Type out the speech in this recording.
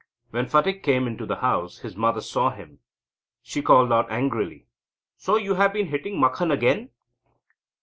When Phatik came into the house, his mother saw him. She called out angrily: "So you have been hitting Makhan again?"